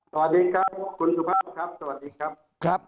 สวัสดีครับคุณสุภาพครับ